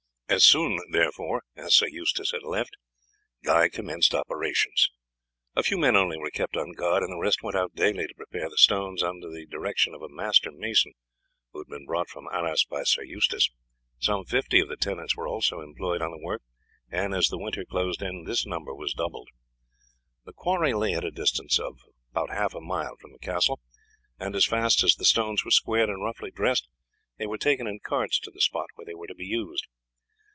As soon, therefore, as Sir Eustace had left, Guy commenced operations. A few men only were kept on guard, and the rest went out daily to prepare the stones under the direction of a master mason, who had been brought from Arras by Sir Eustace. Some fifty of the tenants were also employed on the work, and as the winter closed in this number was doubled. The quarry lay at a distance of half a mile from the castle, and as fast as the stones were squared and roughly dressed they were taken in carts to the spot where they were to be used.